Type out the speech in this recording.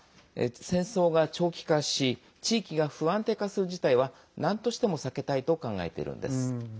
戦争が長期化し地域が不安定化する事態はなんとしても避けたいと考えているんです。